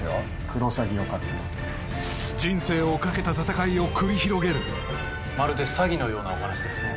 クロサギを飼ってるって人生をかけた闘いを繰り広げるまるで詐欺のようなお話ですね